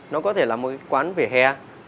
nó có thể là một quán vỉa hè